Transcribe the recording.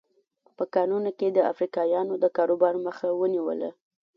په کانونو کې یې د افریقایانو د کاروبار مخه ونیوله.